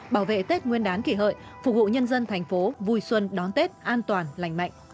bảo vệ tết nguyên đán kỷ hợi phục vụ nhân dân thành phố vui xuân đón tết an toàn lành mạnh